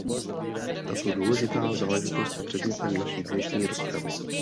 Tato důležitá záležitost je předmětem naší dnešní rozpravy.